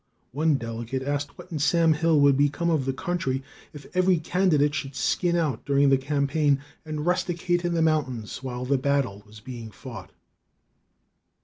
One delegate asked what in Sam Hill would become of the country if every candidate should skin out during the campaign and rusticate in the mountains while the battle was being fought.